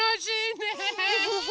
ねえ！